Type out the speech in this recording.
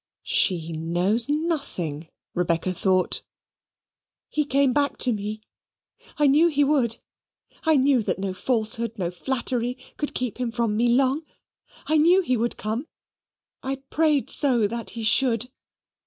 She knows nothing, Rebecca thought. "He came back to me. I knew he would. I knew that no falsehood, no flattery, could keep him from me long. I knew he would come. I prayed so that he should."